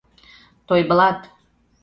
Тойблат.